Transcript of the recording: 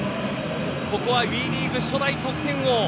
ここはＷＥリーグ初代得点王。